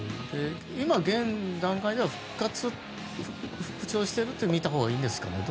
今、現段階では復活、復調していると見たほうがいいんですかね。